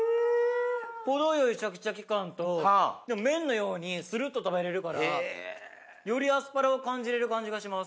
程よいシャキシャキ感とでも麺のようにスルっと食べれるからよりアスパラを感じれる感じがします。